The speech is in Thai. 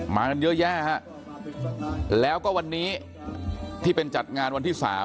มากันเยอะแยะฮะแล้วก็วันนี้ที่เป็นจัดงานวันที่๓